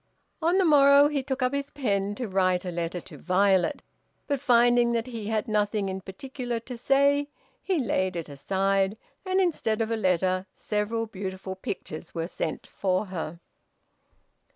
On the morrow he took up his pen to write a letter to Violet, but finding that he had nothing in particular to say, he laid it aside, and instead of a letter several beautiful pictures were sent for her.